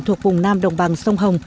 thuộc vùng nam đồng bằng sông hồng